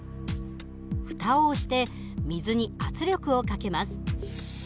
蓋を押して水に圧力をかけます。